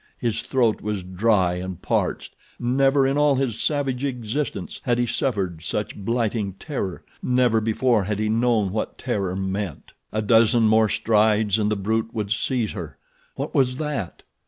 His throat was dry and parched. Never in all his savage existence had he suffered such blighting terror—never before had he known what terror meant. A dozen more strides and the brute would seize her. What was that?